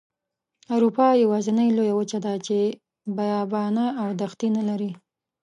اروپا یوازینۍ لویه وچه ده چې بیابانه او دښتې نلري.